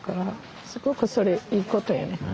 すごくそれいいことやね。